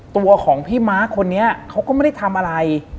ตัวของพี่ม้าคนนี้เขาก็ไม่ได้ทำอะไร